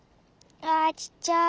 あちっちゃい。